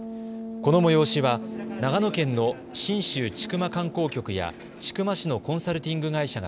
この催しは長野県の信州千曲観光局や千曲市のコンサルティング会社が